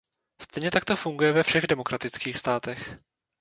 Stejně tak to funguje ve všech demokratických státech.